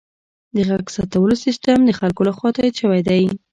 د غږ ثبتولو سیستم د خلکو لخوا تایید شوی دی.